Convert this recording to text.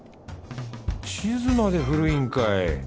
地図まで古いんかい。